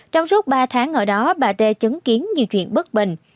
trong suốt ba tháng ở đó bà tê chứng kiến nhiều chuyện bất bình